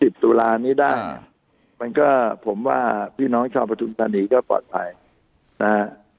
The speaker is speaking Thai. ตุลานี้ได้มันก็ผมว่าพี่น้องชาวประทุมธานีก็ปลอดภัยนะฮะ